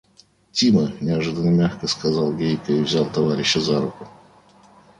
– Тима! – неожиданно мягко сказал Гейка и взял товарища за руку.